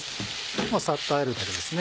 もうサッとあえるだけですね。